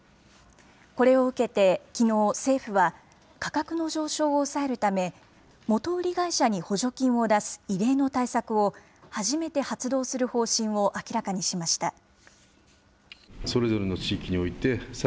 これを受けて、きのう、政府は価格の上昇を抑えるため、元売り会社に補助金を出す異例の対策を、初めて発動する方針を明らかにしました。